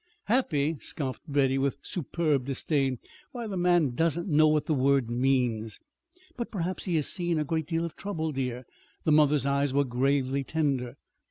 "Happy!" scoffed Betty with superb disdain; "why, the man doesn't know what the word means." "But perhaps he has seen a great deal of trouble, dear." The mother's eyes were gravely tender.